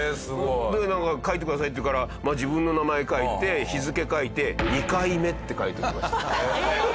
「なんか書いてください」って言うから自分の名前書いて日付書いて「２回目」って書いておきました。